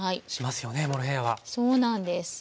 そうなんです。